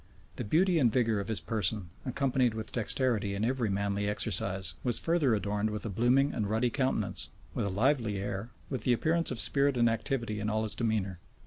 The beauty and vigor of his person, accompanied with dexterity in every manly exercise, was further adorned with a blooming and ruddy countenance, with a lively air, with the appearance of spirit and activity in all his demeanor.